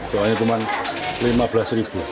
soalnya cuma lima belas ribu